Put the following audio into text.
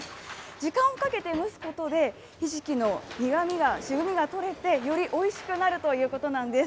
時間をかけて蒸すことで、ひじきの苦みや渋みが取れて、よりおいしくなるということなんです。